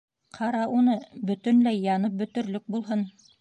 Ҡара уны: бөтөнләй янып бөтөрлөк булһын!